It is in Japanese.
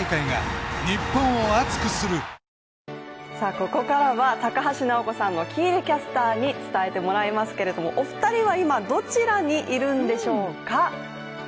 ここからは高橋尚子さんと喜入キャスターにお伝えしていただきますけども、お二人は今どちらにいるんでしょうか？